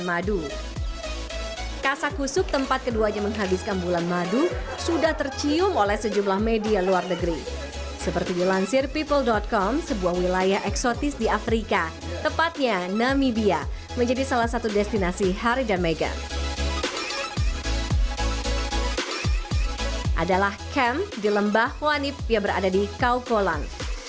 adalah camp di lembah wanip yang berada di kaukolan